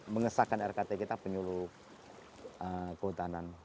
mengesahkan rkt kita penyuluh kehutanan